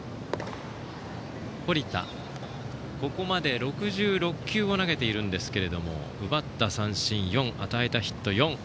堀田、ここまで６６球を投げているんですが奪った三振４与えたヒット４